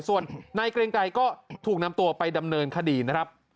ส่วนนายเกรงไกรก็ถูกนำตัวไปดำเนินคดีนะครับ